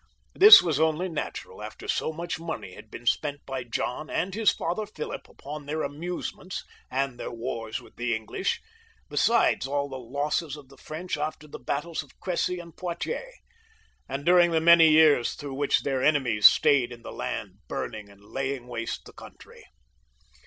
This was only natural after so much money had been spent by John and his father Philip upon their amusements and their wars with the English, besides all the losses of the French after the battles of Cressy and Poiters, and during the many years through which their enemies stayed in the land, burning and laying waste the country.